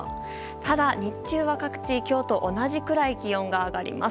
ただ、日中は各地今日と同じくらい気温が上がります。